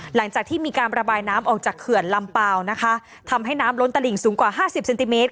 หลังจากที่มีการระบายน้ำออกจากเขื่อนลำเปล่านะคะทำให้น้ำล้นตลิ่งสูงกว่าห้าสิบเซนติเมตร